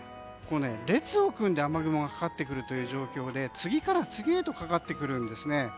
列を組んで雨雲がかかってくるという状況で次から次へとかかってくるんですね。